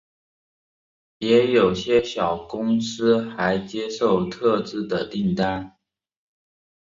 也有些小公司还接受特制的订单。